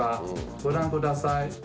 ご覧ください。